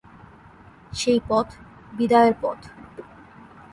সেই পথ, বিদায়ের পথ।